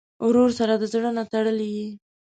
ورور سره د زړه نه تړلې یې.